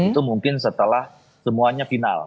itu mungkin setelah semuanya final